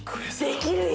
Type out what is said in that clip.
できるよ？